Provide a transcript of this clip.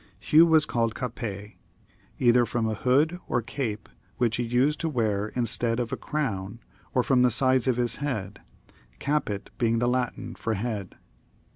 Hugh was called Capet, either from a hood or cape which he XL] ROBEkT. hi used to wear instead of a crown, or from* the size of his head — caput being the Latin fcnr head.